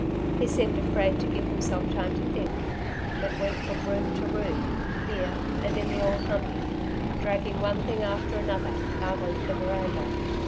He seemed afraid to give himself time to think, but went from room to room here and in the Old Humpey, dragging one thing after another out on to the veranda.